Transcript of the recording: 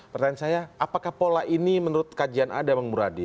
pertanyaan saya apakah pola ini menurut kajian anda bang muradi